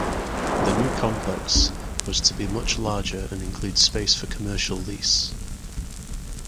The new complex was to be much larger and include space for commercial lease.